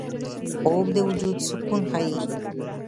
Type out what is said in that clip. خوب د وجود سکون ښيي